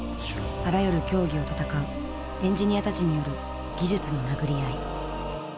あらゆる競技を戦うエンジニアたちによる技術の殴り合い。